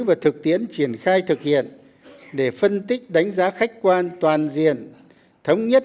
và thực tiễn triển khai thực hiện để phân tích đánh giá khách quan toàn diện thống nhất